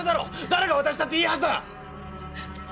誰が渡したっていいはずだ！